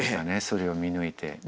それを見抜いて。